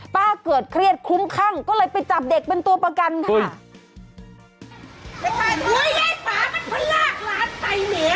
เกิดเครียดคุ้มคั่งก็เลยไปจับเด็กเป็นตัวประกันค่ะ